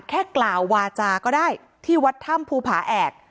แค่กล่าววาจาก็ได้ที่วัดถ้ำภูผาแอก